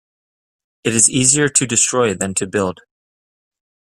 It is easier to destroy than to build.